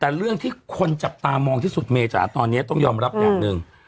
แต่เรื่องที่คนจับตามองที่สุดเมจ๋าตอนนี้ต้องยอมรับอย่างหนึ่ง